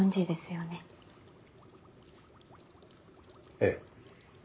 ええ。